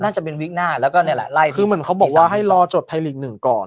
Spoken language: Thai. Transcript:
น่าจะเป็นวิกหน้าแล้วก็นี่แหละไล่คือเหมือนเขาบอกว่าให้รอจดไทยลีกหนึ่งก่อน